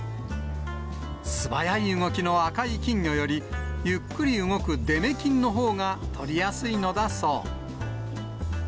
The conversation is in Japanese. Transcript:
素早い動きの赤い金魚より、ゆっくり動く出目金のほうが取りやすいのだそう。